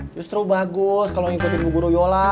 justru bagus kalau ngikutin bu guru yola